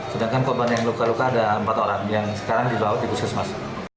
sedangkan korban yang luka luka ada empat orang yang sekarang dibawa di puskesmas